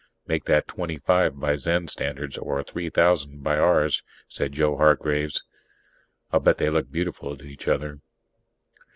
"Make that twenty five by Zen standards or three thousand by ours," said Joe Hargraves, "and I'll bet they look beautiful to each other."